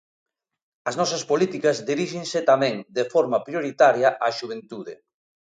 As nosas políticas diríxense tamén de forma prioritaria á xuventude.